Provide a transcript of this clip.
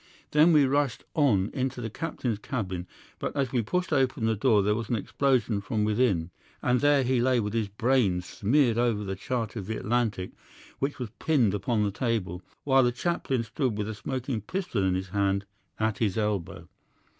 Then we rushed on into the captain's cabin, but as we pushed open the door there was an explosion from within, and there he lay with his brains smeared over the chart of the Atlantic which was pinned upon the table, while the chaplain stood with a smoking pistol in his hand at his elbow.